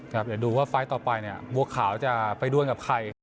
ครับอย่าดูว่าไฟล์ต่อไปบวกขาวจะไปด้วยกับใคร